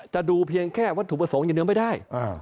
ดูเพียงแค่วัตถุประสงค์อย่างเดียวไม่ได้